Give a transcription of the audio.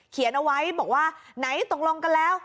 เขียนเอาไว้บอกว่าไหนตกลงกันแล้ว